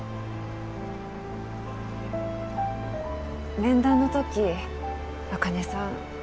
面談の時茜さん